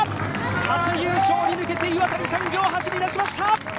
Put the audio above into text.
初優勝に向けて岩谷産業、走り出しました。